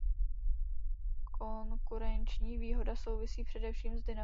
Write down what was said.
Konkurenční výhoda souvisí především s dynamikou trhu.